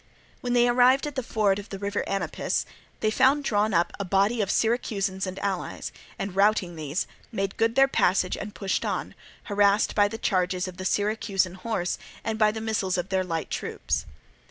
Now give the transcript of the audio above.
When they arrived at the ford of the river Anapus there they found drawn up a body of the Syracusans and allies, and routing these, made good their passage and pushed on, harassed by the charges of the Syracusan horse and by the missiles of their light troops.